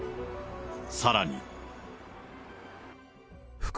さらに。